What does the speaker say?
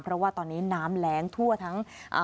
เพราะว่าตอนนี้น้ำแรงทั่วทั้ง